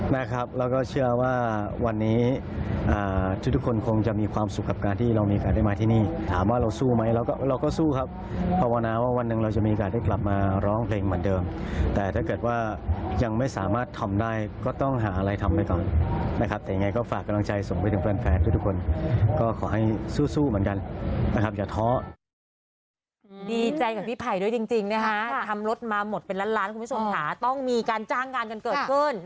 นะครับเราก็เชื่อว่าวันนี้ทุกคนคงจะมีความสุขกับการที่เรามีการได้มาที่นี่ถามว่าเราสู้ไหมเราก็สู้ครับพระวณาว่าวันหนึ่งเราจะมีการได้กลับมาร้องเพลงเหมือนเดิมแต่ถ้าเกิดว่ายังไม่สามารถทำได้ก็ต้องหาอะไรทำไว้ก่อนนะครับแต่ยังไงก็ฝากกำลังใจส่งไปถึงแฟนทุกคนก็ขอให้สู้เหมือนกันนะครับ